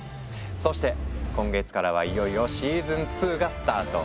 そして今月からはいよいよシーズン２がスタート。